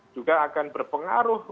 juga akan berpengaruh